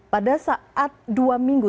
pada saat dua minggu